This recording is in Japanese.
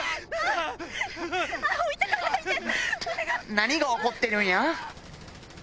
何が起こってるんや？